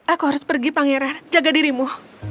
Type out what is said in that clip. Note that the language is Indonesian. aku harus pergi pangeran jaga dirimu